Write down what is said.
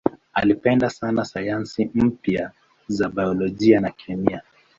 Alipenda sana sayansi mpya za biolojia na kemia.